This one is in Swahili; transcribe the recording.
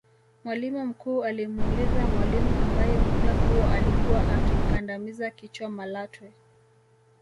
Mwalimu mkuu alimuuliza mwalimu ambaye muda huo alikuwa akimkandamiza kichwa Malatwe